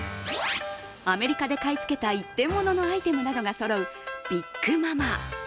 アメリカで買いつけた一点物のアイテムなどがそろうＢＩＧＭＡＭＡ。